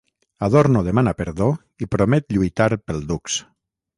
Adorno demana perdó i promet lluitar pel dux.